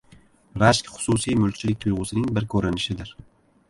Rashk xususiy mulkchilik tuyg‘usining bir ko‘rinishidir.